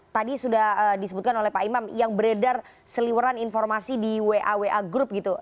tadi sudah disebutkan oleh pak imam yang beredar seliweran informasi di wa wa group gitu